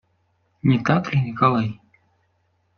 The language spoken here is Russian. Не так ли, Николай?